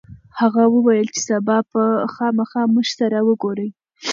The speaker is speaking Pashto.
هغه وویل چې سبا به خامخا موږ سره وګوري.